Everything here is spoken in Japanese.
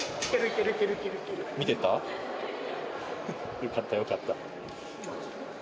よかった、よかった。